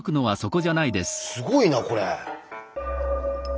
すごいなこれ。